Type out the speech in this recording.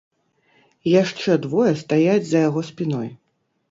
Яшчэ двое стаяць за яго спіной.